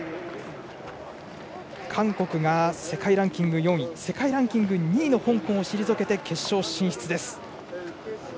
韓国が世界ランキング４位世界ランキング２位の香港を退けて、決勝進出です。